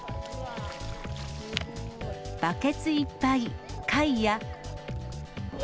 バケツいっぱい、貝や。